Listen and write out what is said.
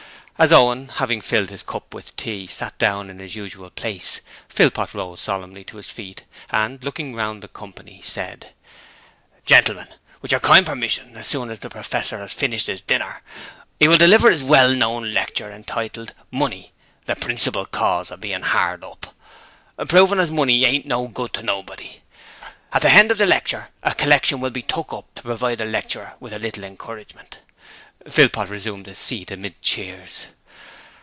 As Owen, having filled his cup with tea, sat down in his usual place, Philpot rose solemnly to his feet, and, looking round the company, said: 'Genelmen, with your kind permission, as soon as the Professor 'as finished 'is dinner 'e will deliver 'is well known lecture, entitled, "Money the Principal Cause of being 'ard up", proving as money ain't no good to nobody. At the hend of the lecture a collection will be took up to provide the lecturer with a little encouragement.' Philpot resumed his seat amid cheers.